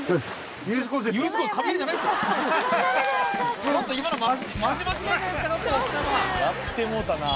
そしてやってもうたな。